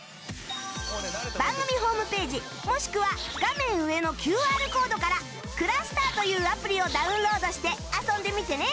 番組ホームページもしくは画面上の ＱＲ コードから ｃｌｕｓｔｅｒ というアプリをダウンロードして遊んでみてね